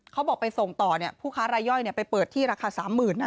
เขาบอกไปส่งต่อผู้ค้ารายย่อยไปเปิดที่ราคา๓๐๐๐นะ